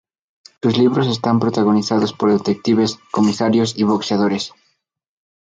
Sus libros están protagonizados por detectives, comisarios y boxeadores.